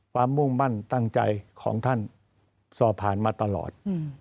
มุ่งมั่นตั้งใจของท่านสอบผ่านมาตลอด